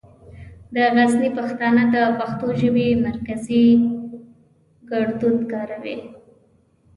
د غزني پښتانه د پښتو ژبې مرکزي ګړدود کاروي.